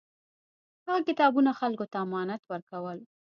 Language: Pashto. هغه کتابونه خلکو ته امانت ورکول.